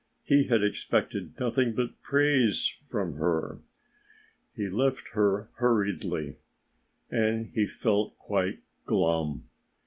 He had expected nothing but praise from her. He left her hurriedly. And he felt quite glum.